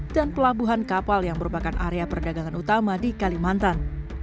dan pelabuhan kapal yang merupakan area perdagangan utama di kalimantan